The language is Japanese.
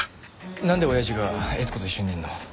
なんで親父が悦子と一緒にいるの？